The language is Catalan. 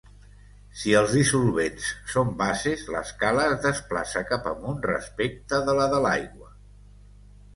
Si els dissolvents són bases, l'escala es desplaça cap amunt respecte de la de l'aigua.